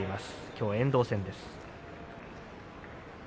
きょうは遠藤戦です。